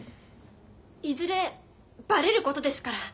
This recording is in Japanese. いずればれることですから。